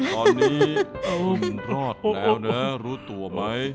ตอนนี้คุณรอดแล้วนะรู้ตัวไหม